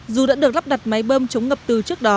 dù đã được lắp đặt máy bơm chống ngập từ trước đó